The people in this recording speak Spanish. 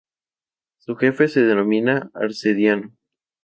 Su jefe se denominaba "arcediano".